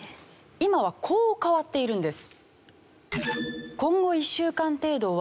今はこう変わっているんです。